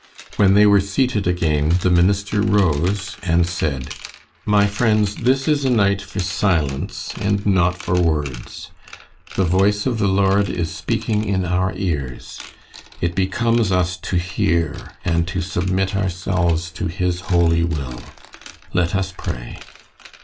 When they were seated again, the minister rose and said: "My friends, this is a night for silence and not for words. The voice of the Lord is speaking in our ears. It becomes us to hear, and to submit ourselves to His holy will. Let us pray."